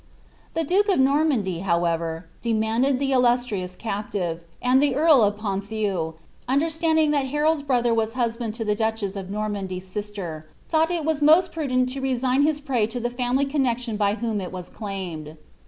'he duke of Normandy, however, demanded the illuBirioua a the enrl of Honthieu, understanding thai Harold's brother was b !o ilie duchess of Normandy's sister, thought it most prudent to his prey lo the family connexion by whom it was claimed.